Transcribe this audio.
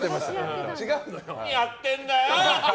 何やってんだよ！